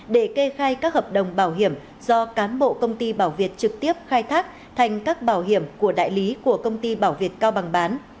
để kê khai các hợp đồng bảo hiểm do cán bộ công ty bảo việt trực tiếp khai thác thành các bảo hiểm của đại lý của công ty bảo việt cao bằng bán